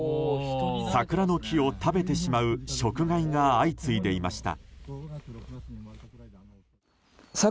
桜の木を食べてしまう食害が相次いでいました。